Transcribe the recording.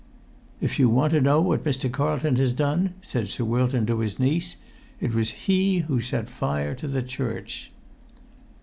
"If you want to know what Mr. Carlton has done," said Sir Wilton to his niece, "it was he who set fire to the church!"